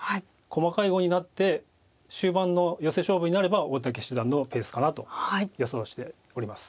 細かい碁になって終盤のヨセ勝負になれば大竹七段のペースかなと予想しております。